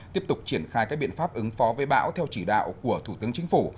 tiếp tục triển khai các biện pháp ứng phó với bão theo chỉ đạo của thủ tướng chính phủ